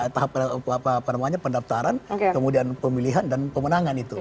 tahap apa namanya pendaftaran kemudian pemilihan dan pemenangan itu